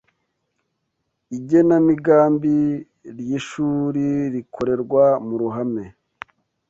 Igenamigambi ryishuririkorerwa muruhame